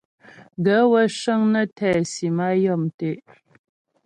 Gaə̂ wə́ cə́ŋ nə́ tɛ́ sim a yɔ̀mtə́.